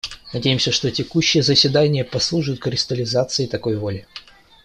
Надеемся, что текущие заседания послужат кристаллизации такой воли.